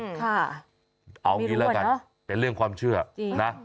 เอางี้แล้วกันเป็นเรื่องความเชื่อนะ